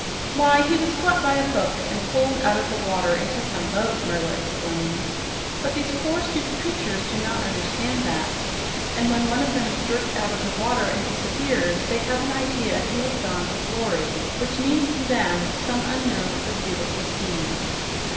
"Why, he was caught by a hook and pulled out of the water into some boat," Merla explained. "But these poor stupid creatures do not understand that, and when one of them is jerked out of the water and disappears, they have the idea he has gone to glory, which means to them some unknown but beautiful sea."